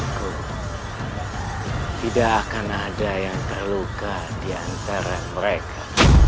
tidak akan ada yang terluka di antara mereka